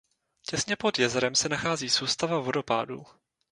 Těsně pod jezerem se nachází soustava vodopádů.